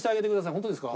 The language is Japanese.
本当ですか？